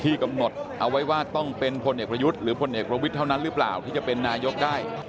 กำหนดเอาไว้ว่าต้องเป็นพลเอกประยุทธ์หรือพลเอกประวิทย์เท่านั้นหรือเปล่าที่จะเป็นนายกได้